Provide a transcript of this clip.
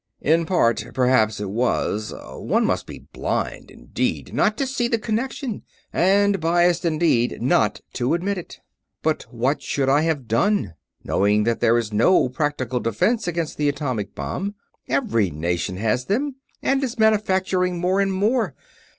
"In part, perhaps it was one must be blind indeed not to see the connection, and biased indeed not to admit it. But what should I have done, knowing that there is no practical defense against the atomic bomb? Every nation has them, and is manufacturing more and more.